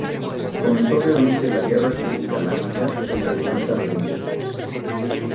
Comenzó realmente la Guerra Civil Galáctica y la Alianza Rebelde.